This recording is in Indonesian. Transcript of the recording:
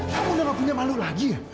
kamu udah gak punya malu lagi ya